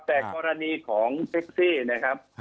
แต่กรณีของแท็กซี่นะครับ